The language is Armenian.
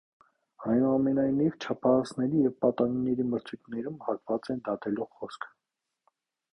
Այնուամենայնիվ, չափահասների և պատանիների մրցույթներում հակված են դատելու խոսքը։